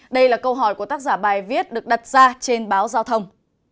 đây là câu hỏi của tác giả bài viết được đặt ra trên báo giao thông